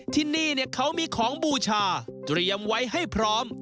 ที่นี่เขามีของบูชาเตรียมไว้ให้พร้อม